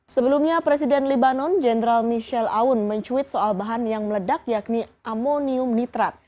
sebelumnya presiden libanon jenderal michelle aun mencuit soal bahan yang meledak yakni amonium nitrat